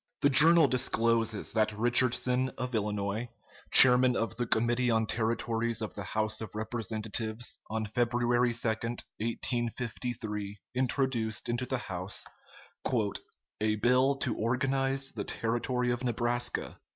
] The journal discloses that Richardson, of Illinois, chairman of the Committee on Territories of the House of Representatives, on February 2, 1853, introduced into the House "A bill to organize the Territory of Nebraska."